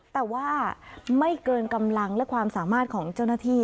แต่ว่าไม่เกินกำลังและความสามารถของเจ้าหน้าที่